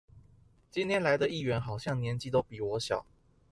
今天來的議員好像年紀都比我小